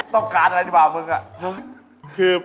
ต้องการอะไรที่เปล่ามึงฮะ